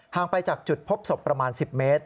ไปจากจุดพบศพประมาณ๑๐เมตร